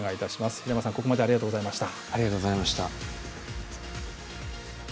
平山さん、ここまでありがとうございました。